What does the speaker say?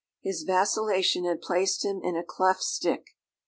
His vacillation had placed him in a cleft stick.